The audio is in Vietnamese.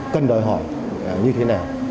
cần đòi hỏi như thế nào